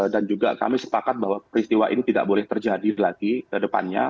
dan juga kami sepakat bahwa peristiwa ini tidak boleh terjadi lagi ke depannya